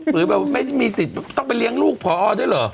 หรือแบบไม่มีสิทธิ์ต้องไปเลี้ยงลูกพอด้วยเหรอ